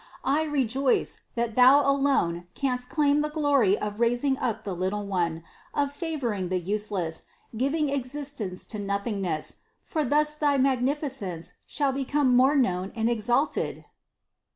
I rejoice, that Thou alone canst claim the glory of raising up the little one, of favoring the most useless, giving existence to nothingness; for thus thy magnifi cence shall become more known and exalted."